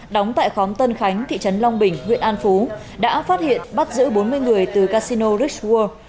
đóng tại khóm tân khánh thị trấn long bình huyện an phú đã phát hiện bắt giữ bốn mươi người từ casino richworld